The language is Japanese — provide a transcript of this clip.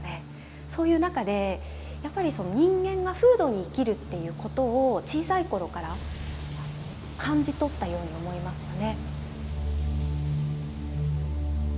そういう中でやっぱり人間が風土に生きるっていうことを小さい頃から感じ取ったように思いますよね。